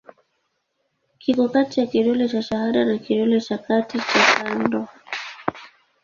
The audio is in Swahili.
Kiko kati ya kidole cha shahada na kidole cha kati cha kando.